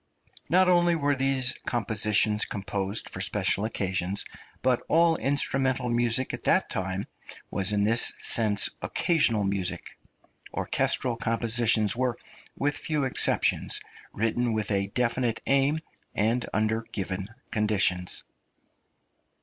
Not only were these compositions composed for special occasions, but all instrumental music at that time was in this sense occasional music. Orchestral compositions were, with few exceptions, written with a definite aim and under given conditions.